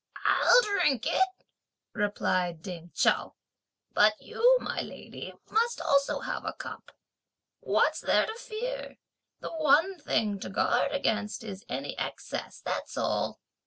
"I'll drink it," replied dame Chao, "but you, my lady, must also have a cup: what's there to fear? the one thing to guard against is any excess, that's all!